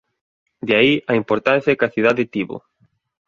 De aí a importancia que a cidade tivo.